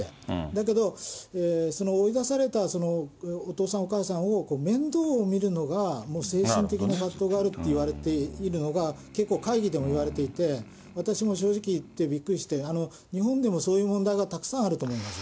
だけど、その追い出されたお父さん、お母さんを面倒を見るのが、もう精神的に葛藤があるといわれているのが、結構会議でも言われていて、私も正直言ってびっくりして、日本でもそういう問題がたくさんあると思います。